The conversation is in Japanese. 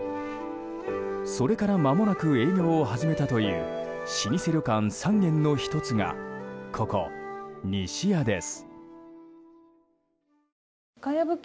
それからまもなく営業を始めたという老舗旅館３軒の１つがここ、西屋です。